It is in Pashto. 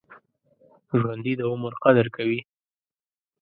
ژوندي د عمر قدر کوي